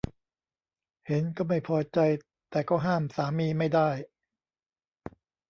เห็นก็ไม่พอใจแต่ก็ห้ามสามีไม่ได้